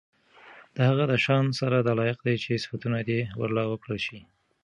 د هغه د شان سره دا لائق دي چې صفتونه دي ورله وکړل شي